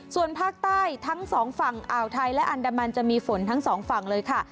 ส่วนภาคใต้ทั้งสองฝั่งอ่าวไทยและอันดามันจะมีฝนทั้งสองฝั่งเลยค่ะ